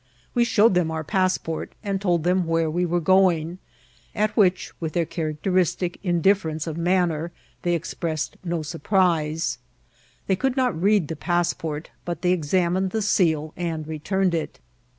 We showed them our pass* port, and told them where we were going, at which, with their characteristic indifference of manner, they expressed no surprise. They could not read the pass port, but they examined the seal and returned it.